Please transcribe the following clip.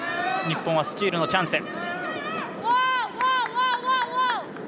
日本はスチールのチャンス。